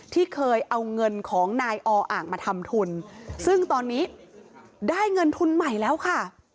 ที่เคยเอาเงินของนายออ่างมาทำทุนซึ่งตอนนี้ได้เงินทุนใหม่แล้วค่ะ